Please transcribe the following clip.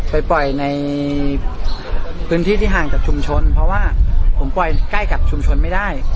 ไปปล่อยในพื้นที่ที่ห่างจากชุมชนเพราะว่าผมปล่อยใกล้กับชุมชนไม่ได้